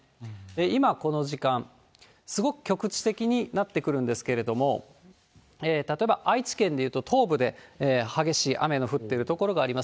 今この時間、すごく局地的になってくるんですけれども、例えば愛知県でいうと、東部で激しい雨が降っている所があります。